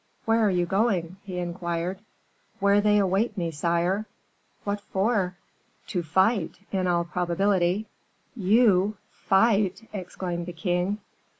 "Where are you going?" he inquired. "Where they await me, sire." "What for?" "To fight, in all probability." "You fight!" exclaimed the king.